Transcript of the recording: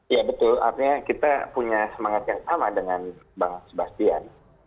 ya betul artinya kita punya semangat yang sama dengan bang sebastian